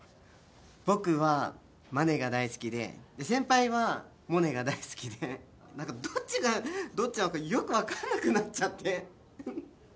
僕はマネが大好きでで先輩はモネが大好きで何かどっちがどっちなのかよく分かんなくなっちゃって。